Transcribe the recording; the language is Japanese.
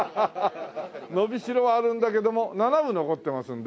伸びしろはあるんだけども７分残ってますので。